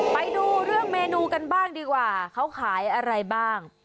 ไปดูเรื่องเมนูกันบ้างดีกว่าเขาขายอะไรบ้าง